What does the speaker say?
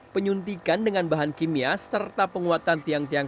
penyuntikan dengan bahan kimia serta penguatan tiang tiang